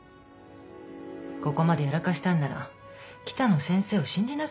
ここまでやらかしたんなら北野先生を信じなさいよ。